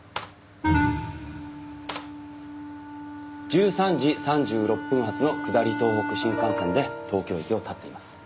１３時３６分発の下り東北新幹線で東京駅を発っています。